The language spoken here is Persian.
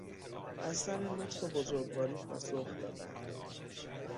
از سر لطف و بزرگواری پاسخ دادن